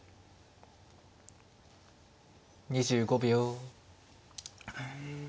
２５秒。